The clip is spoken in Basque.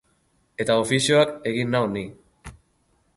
Eta ofizioak egin nau ni.